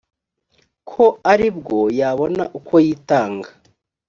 ko ari bwo yabona uko yitanga